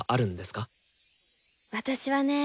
私はね